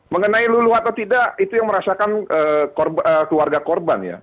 mengenai luluh atau tidak itu yang merasakan keluarga korban ya